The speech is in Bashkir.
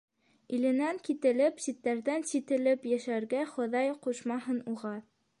Иленән кителеп, ситтәрҙән сителеп йәшәргә хоҙай ҡушмаһын уға.